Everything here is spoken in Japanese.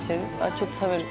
ちょっと食べる？